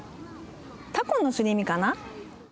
たこのすり身かな？